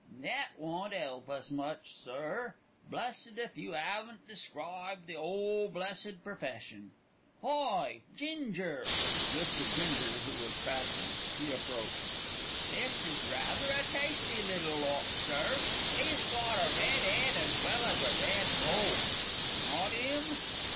"That won't 'elp us much, sir. Blessed if you 'aven't described the 'ole blessed perfession. Hi! Ginger?" This to Ginger, who was passing. He approached. "This is rather a tasty little lot, sir. 'E's got a red 'ead as well as a red nose. Not 'im?